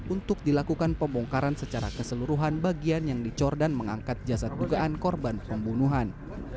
untuk dilakukan pembongkaran secara keseluruhan bagian yang dicor dan mengangkat jasad dugaan korban pembunuhan